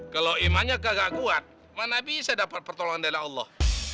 kalau imannya kagak kuat mana bisa dapat pertolongan dari allah